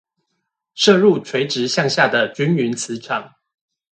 射入垂直向下的均勻磁場